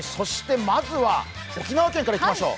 まずは沖縄県からいきましょう。